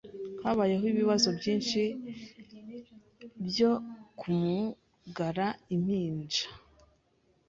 Habayeho ibibazo byinshi byo kumugara impinja.